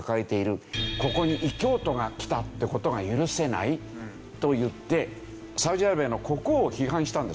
「ここに異教徒が来たって事が許せない」と言ってサウジアラビアの国王を批判したんですよ。